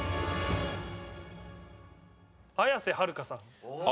綾瀬はるかさん